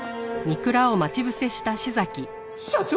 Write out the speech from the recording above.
社長。